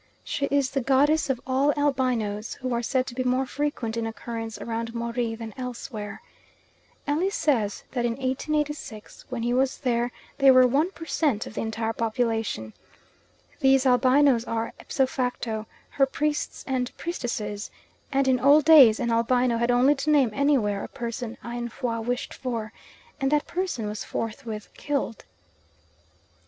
She is the goddess of all albinoes, who are said to be more frequent in occurrence round Moree than elsewhere. Ellis says that in 1886, when he was there, they were 1 per cent. of the entire population. These albinoes are, ipso facto, her priests and priestesses, and in old days an albino had only to name anywhere a person Aynfwa wished for, and that person was forthwith killed.